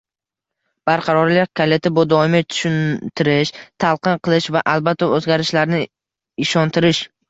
Barqarorlik kaliti - bu doimiy tushuntirish, talqin qilish va, albatta, o'zgarishlarni ishontirish